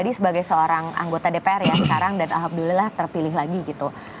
jadi sebagai seorang anggota dpr ya sekarang dan alhamdulillah terpilih lagi gitu